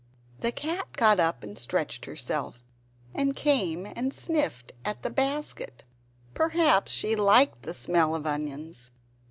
... The cat got up and stretched herself, and came and sniffed at the basket. Perhaps she liked the smell of onions!